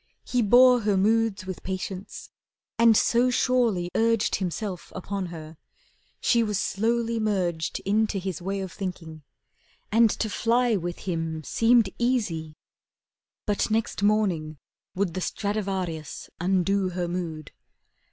He bore Her moods with patience, and so surely urged Himself upon her, she was slowly merged Into his way of thinking, and to fly With him seemed easy. But next morning would The Stradivarius undo her mood.